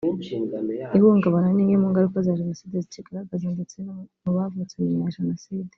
Ihungabana ni imwe mu ngaruka za Jenoside zikigaragaza ndetse no mu bavutse nyuma ya jenoside